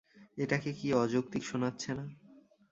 এটাকে কি অযৌক্তিক শোনাচ্ছে না?